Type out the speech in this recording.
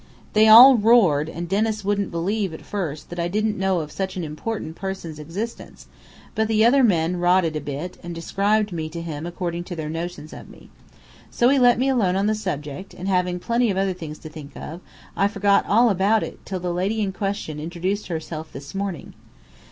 They all roared, and Dennis wouldn't believe at first that I didn't know of such an important person's existence; but the other men rotted a bit, and described me to him according to their notions of me. So he let me alone on the subject; and having plenty of other things to think of, I forgot all about it till the lady in question introduced herself this morning.